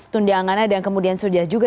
tundangannya dan kemudian sudah juga